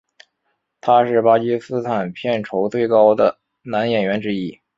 他是巴基斯坦片酬最高的男演员之一。